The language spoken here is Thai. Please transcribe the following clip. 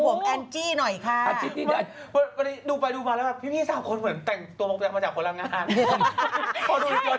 เหมือนพี่มีวไปแถลงการเกี่ยวกับภาคอะไรอย่างสักอย่าง